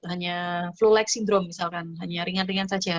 hanya flu lake syndrome misalkan hanya ringan ringan saja